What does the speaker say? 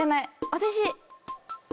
私。